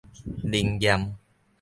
靈驗